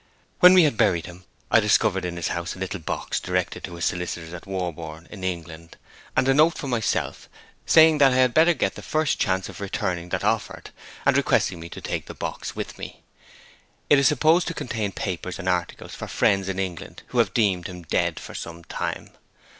When we had buried him I discovered in his house a little box directed to his solicitors at Warborne, in England, and a note for myself, saying that I had better get the first chance of returning that offered, and requesting me to take the box with me. It is supposed to contain papers and articles for friends in England who have deemed him dead for some time."'